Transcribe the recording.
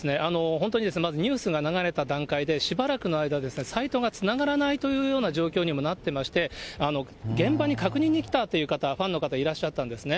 本当にまずニュースが流れた段階で、しばらくの間、サイトがつながらないというような状況にもなってまして、現場に確認に来たという方、ファンの方、いらっしゃったんですね。